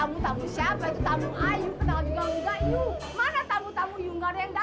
makasih iya makasih makasih